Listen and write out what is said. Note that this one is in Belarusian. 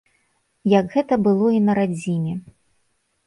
Як гэта было і на радзіме!